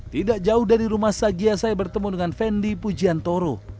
tidak jauh dari rumah sagia saya bertemu dengan fendi pujiantoro